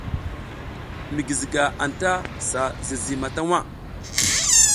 Mi guiziga anta si zizi mata waʼa.